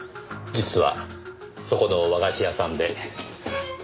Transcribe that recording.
実はそこの和菓子屋さんで。